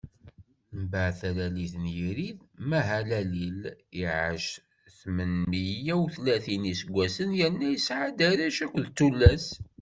Mbeɛd talalit n Yirid, Mahalalil iɛac tmen meyya utlatin n iseggwasen, yerna yesɛa-d arrac akked tullas.